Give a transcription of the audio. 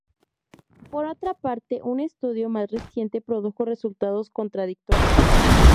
Por otra parte, un estudio más reciente produjo resultados contradictorios.